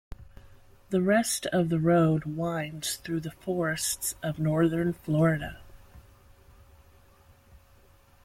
The rest of the road winds through the forests of Northern Florida.